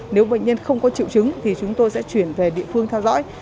nếu bệnh nhân không có triệu chứng thì chúng tôi sẽ chuyển về địa phương theo dõi